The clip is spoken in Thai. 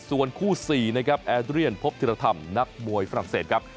ส่วนคู่๔นะครับแอเดียนพบธิรธรรมนักมวยฝรั่งเศสครับ